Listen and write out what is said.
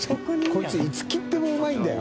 海いいつ切ってもうまいんだよ。